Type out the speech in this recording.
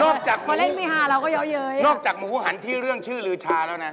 นะจากนี่หนอกจากมูหันที่เรื่องชื่อลือชาแล้วนะ